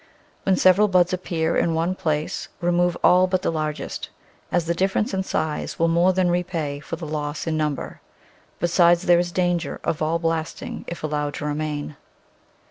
When several buds appear in one place remove all but the largest, as the difference in size will more than repay for the loss in number, besides there is danger of all blasting if allowed to remain.